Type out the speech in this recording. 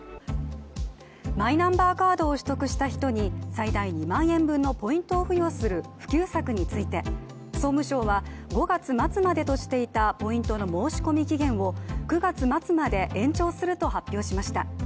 マイナンバーカードを取得した人に最大２万円分のポイントを付与する普及策について、総務省は５月末までとしていたポイントの申し込み期限を９月末まで延長すると発表しました。